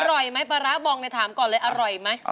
อร่อยไหมปรากฏบองในถามก่อนเลยอร่อยไหม